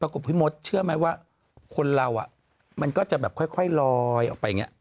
พี่มดเชื่อไหมว่าคนเรามันก็จะแบบค่อยลอยออกไปอย่างนี้